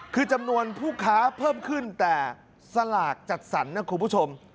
คือจำนวนผู้ค้าเพิ่มขึ้นแต่สลากจัดสรรนะคุณผู้ชม